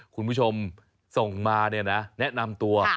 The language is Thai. คุณผู้ชมส่งมาเนี่ยนะแนะนำตัว